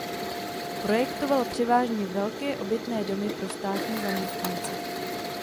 Projektoval převážně velké obytné domy pro státní zaměstnance.